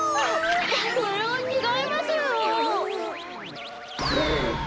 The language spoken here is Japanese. それはちがいますよ！